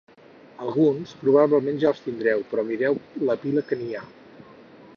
Alguns probablement ja els tindreu, però mireu la pila que n’hi ha!